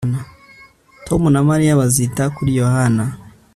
Tom na Mariya bazita kuri Yohana